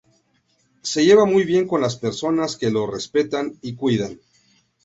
Se lleva muy bien con las personas que lo respetan y cuidan.